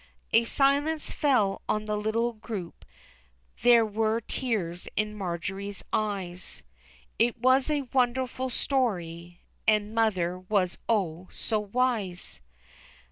A silence fell on the little group, there were tears in Marjory's eyes, It was a wonderful story, and mother was O, so wise!